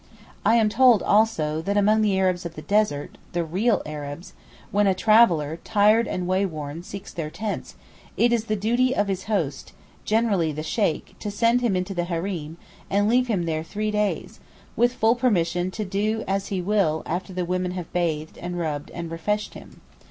I am told, also, that among the Arabs of the desert (the real Arabs), when a traveller, tired and wayworn, seeks their tents, it is the duty of his host, generally the Sheykh, to send him into the hareem, and leave him there three days, with full permission to do as he will after the women have bathed, and rubbed, and refreshed him.